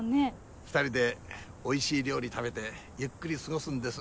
２人でおいしい料理食べてゆっくり過ごすんです。